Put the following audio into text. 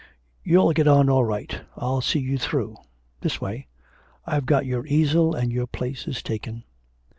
'You'll get on all right. I'll see you through. This way. I've got your easel, and your place is taken.'